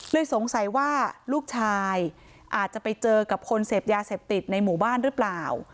สงสัยว่าลูกชายอาจจะไปเจอกับคนเสพยาเสพติดในหมู่บ้านหรือเปล่า